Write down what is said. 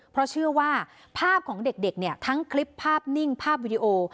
เพราะเชื่อว่าภาพของเด็กเนี่ยทั้งคลิปภาพนิ่งภาพวิดีโอ